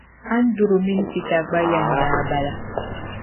Anduru mini Peter gba ya n-daa bala.